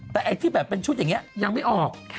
แต่ไอ้ที่แบบเป็นชุดอย่างนี้ยังไม่ออก